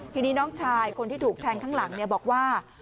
ทีนี้น้องชายคนที่ถูกแทงข้างหลังบอกว่า